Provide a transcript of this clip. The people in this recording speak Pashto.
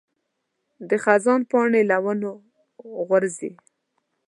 د خزان پاڼې له ونو غورځي.